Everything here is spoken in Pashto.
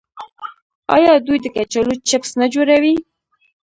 آیا دوی د کچالو چپس نه جوړوي؟